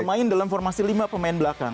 main dalam formasi lima pemain belakang